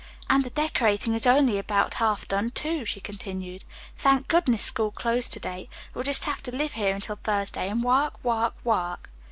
"And the decorating is only about half done, too," she continued. "Thank goodness school closed to day. We'll just have to live here until Thursday, and work, work, work."